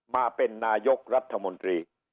มาเป็นนายกรัฐมนตรี